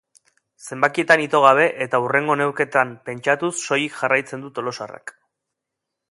Zenbakietan ito gabe eta hurrengo neurketan pentsatuz soilik jarraitzen du tolosarrak.